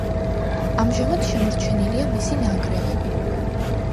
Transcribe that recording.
ამჟამად შემორჩენილია მისი ნანგრევები.